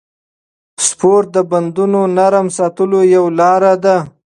سپورت د بندونو نرم ساتلو یوه لاره ده.